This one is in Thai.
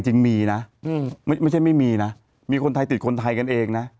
จริงมีนะไม่ใช่ไม่มีนะมีคนไทยติดคนไทยกันเองนะ